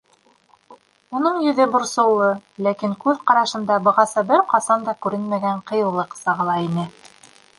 Уның йөҙө борсоулы, ләкин күҙ ҡарашында бығаса бер ҡасан да күренмәгән ҡыйыулыҡ сағыла ине.